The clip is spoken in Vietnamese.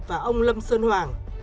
và ông lâm sơn hoàng